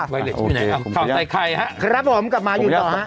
ไวเล็กซ์อยู่ไหนครับเข้าใจใครฮะโอเคผมก็อยากครับผมกลับมาอยู่ต่อฮะ